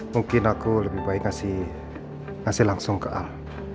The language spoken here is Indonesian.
mungkin aku lebih baik ngasih langsung ke al